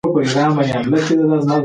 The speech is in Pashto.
تامي د خوښۍ سترګي